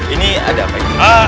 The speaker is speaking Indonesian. ini ada apa ini